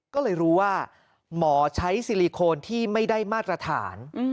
ก็เลยรู้ว่าหมอใช้ซิลิโคนที่ไม่ได้มาตรฐาน